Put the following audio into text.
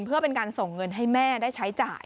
เพื่อเป็นการส่งเงินให้แม่ได้ใช้จ่าย